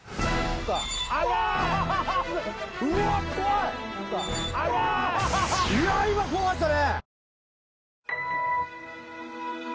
いや今怖かったね。